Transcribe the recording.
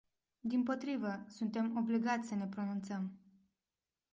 Dimpotrivă, suntem obligați să ne pronunțăm.